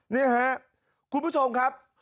นี่ครับคุณผู้ชมครับ